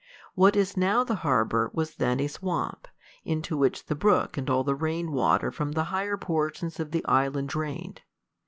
What is now the harbor was then a swamp, into which the brook and all the rain water from the higher portions of the island drained.